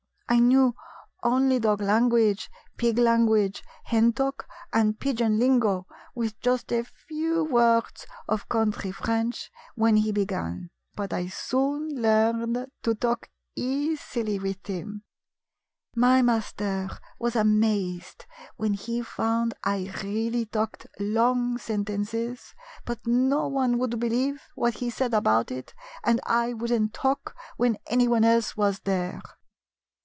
I knew only dog language, pig language, hen talk and pigeon lingo, with just a few words of country French when he be gan ; but I soon learned to talk easily with him. My master was amazed when he found I really talked long sentences, but no one would believe what he said about it, and I would n't talk when anyone else was there."